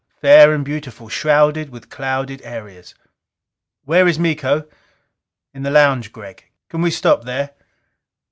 Fair and beautiful, shrouded with clouded areas. "Where is Miko?" "In the lounge, Gregg?" "Can we stop there?"